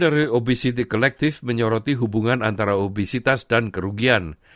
dari obesity collective menyoroti hubungan antara obesitas dan kerugian